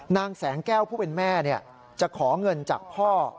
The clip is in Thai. นางแสงแก้วผู้เป็นแม่จะขอเงินจากพ่อ